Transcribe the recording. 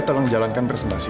aida tolong jalankan presentasi